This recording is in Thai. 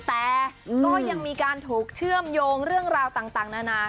แต่ก็ยังมีการถูกเชื่อมโยงเรื่องราวต่างนานา